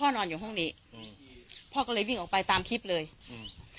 นอนอยู่ห้องนี้อืมพ่อก็เลยวิ่งออกไปตามคลิปเลยอืม